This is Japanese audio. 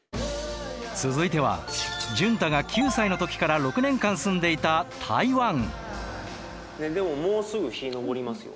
続いては淳太が９歳の時から６年間住んでいたでももうすぐ日昇りますよ。